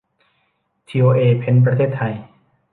ทีโอเอ เพ้นท์ ประเทศไทย